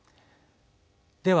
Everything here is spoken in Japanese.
では